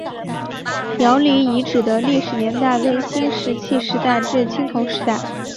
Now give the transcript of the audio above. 姚李遗址的历史年代为新石器时代至青铜时代。